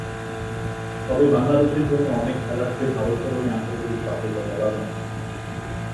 তবে বাংলাদেশের অন্য অনেক খেলার চেয়ে ভারোত্তোলনে আন্তর্জাতিক সাফল্য বলার মতোই।